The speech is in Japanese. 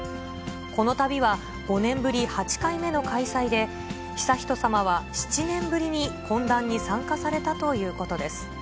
この旅は５年ぶり８回目の開催で、悠仁さまは７年ぶりに懇談に参加されたということです。